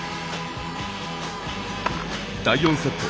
第４セット。